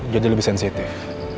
jadi lebih sensitif